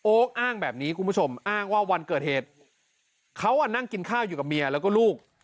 อ้างแบบนี้คุณผู้ชมอ้างว่าวันเกิดเหตุเขานั่งกินข้าวอยู่กับเมียแล้วก็ลูก